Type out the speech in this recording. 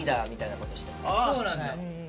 そうなんだ。